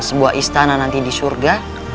sebuah istana nanti di surga